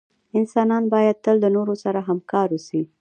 انسانان باید تل دنورو سره همکار اوسې